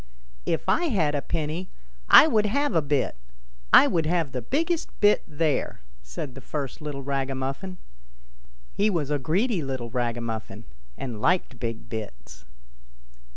" If I had a penny I would have a bit ; I would have the biggest bit there !" said the first little ragamuffin. He was a greedy little ragamuffin, and liked big bits.